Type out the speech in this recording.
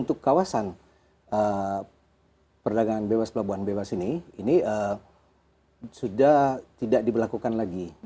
untuk kawasan perdagangan bebas pelabuhan bebas ini ini sudah tidak diberlakukan lagi